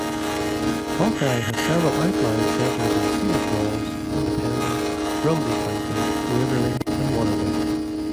Hawkeye has several outlying centers in Cedar Falls, Independence, Grundy County, Waverly, and Waterloo.